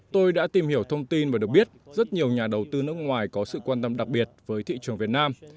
tôi đã tìm hiểu thông tin và được biết rất nhiều nhà đầu tư nước ngoài có sự quan tâm đặc biệt với thị trường việt nam